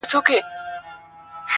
پلار و زوی ته و ویل د زړه له زوره,